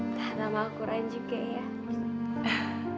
tahan lama aku rancu kayaknya ya